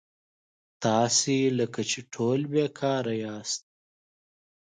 تاسي لکه چې ټول بېکاره یاست.